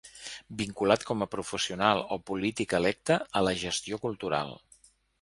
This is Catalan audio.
Vinculat com a professional o polític electe, a la gestió cultural.